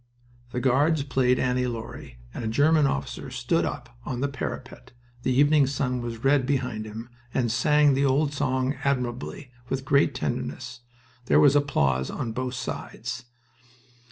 The Guards played "Annie Laurie," and a German officer stood up on the parapet the evening sun was red behind him and sang the old song admirably, with great tenderness. There was applause on both sides.